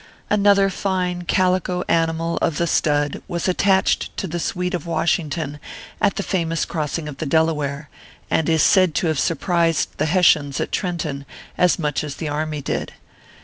Another fine calico animal of the stud was attached to the suite of Washington at the famous crossing of the Delaware, and is said to have surprised the Hes ORPHEUS C. KERR PAPERS. 195 sians at Trenton as much as the army did.